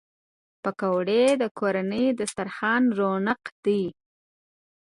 پکورې د کورني دسترخوان رونق دي